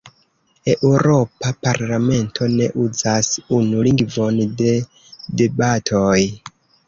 Eŭropa Parlamento ne uzas unu lingvon de debatoj.